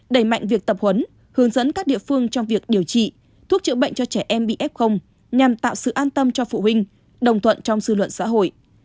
đẩy mạnh việc tập huấn hướng dẫn các địa phương trong việc điều trị thuốc chữa bệnh cho trẻ em bị f nhằm tạo sự an tâm cho phụ huynh đồng thuận trong dư luận xã hội